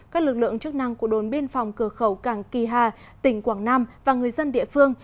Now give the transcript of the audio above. các lực lượng chức năng của đồn biên phòng cửa khẩu cảng kỳ hà tỉnh quảng nam và người dân địa phương